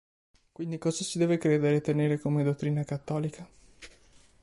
Quindi cosa si deve credere e tenere come dottrina cattolica?